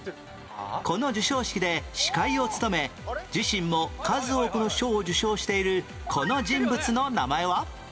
この授賞式で司会を務め自身も数多くの賞を受賞しているこの人物の名前は？